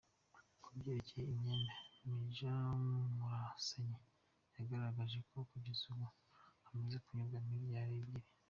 Ku byerekeye imyenda, Maj Murasanyi yagaragaje ko kugeza ubu hamaze kwishyurwa miliyari ebyiri.